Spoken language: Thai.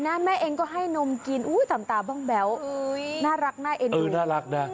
แม่เองก็ให้นมกินสำตาบ้างแบ๊วน่ารักน่าเอ็นดู